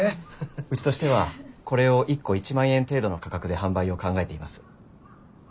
うちとしてはこれを１個１万円程度の価格で販売を考えています。